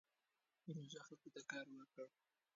پروژه خلکو ته کار ورکړ.